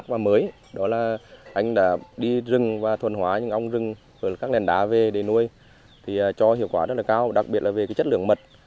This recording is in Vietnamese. với các nền đá về để nuôi cho hiệu quả rất cao đặc biệt là về chất lượng mật